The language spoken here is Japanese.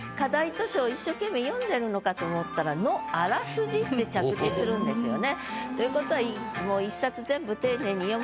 図書を一生懸命読んでるのかと思ったら「のあらすじ」って着地するんですよね。